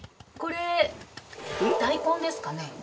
これ大根ですかね？